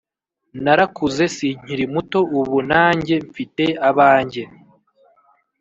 narakuze sinkiri muto ubu nanjye mfite abanjye